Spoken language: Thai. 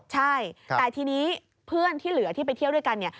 ใช่แต่ทีนี้เพื่อนที่เหลือที่ไปเที่ยวด้วยกันเนี่ย